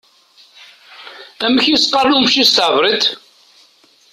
Amek i s-qqaṛen i umcic s tɛebrit?